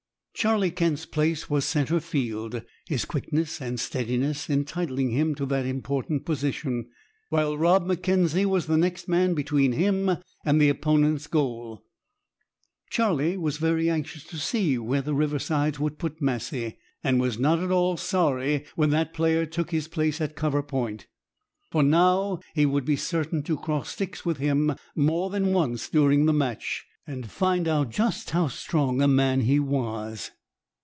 Charlie Kent's place was centre field, his quickness and steadiness entitling him to that important position, while Rob M'Kenzie was the next man between him and the opponent's goal. Charlie was very anxious to see where the Riversides would put Massie, and was not at all sorry when that player took his place at cover point, for now he would be certain to cross sticks with him more than once during the match, and find out just how strong a man he was.